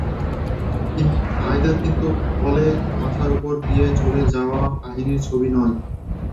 হায়দার কিন্তু তাই বলে মাথার ওপর দিয়ে চলে যাওয়া কাহিনির ছবি নয়।